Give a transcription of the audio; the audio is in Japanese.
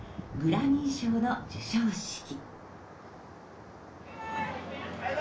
グラミー賞の授賞式。